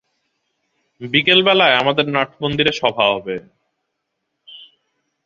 বিকেলবেলায় আমাদের নাটমন্দিরে সভা হবে।